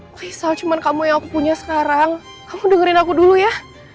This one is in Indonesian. aku bisa cuma kamu yang aku punya sekarang kamu dengerin aku dulu ya